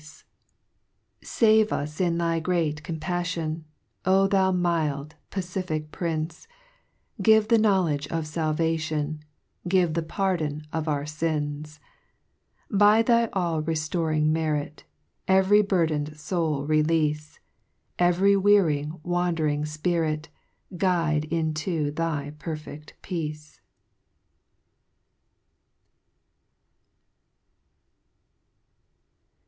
3 Save ( n ) 3 Save us in thy great companion, O thou mild, pacific Ptrince, Give the knowledge of I'ulvation, Give the pardon uf our fins ; By thy ail reHoiing merit, Every burden'd foul releafe, Every weary, wandering (pirit, Guide into thy perfect peace.